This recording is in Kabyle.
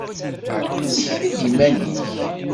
Mmekti-d i yiman-nnek.